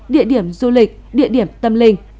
địa điểm du lịch địa điểm tâm linh